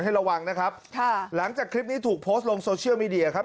ระวังนะครับค่ะหลังจากคลิปนี้ถูกโพสต์ลงโซเชียลมีเดียครับ